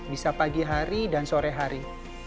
bisa pagi hari dan sore hari